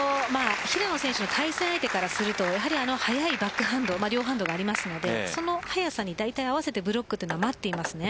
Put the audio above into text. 平野選手の対戦相手からすると速いバックハンドがありますので、その速さに大体合わせてブロックは待っています。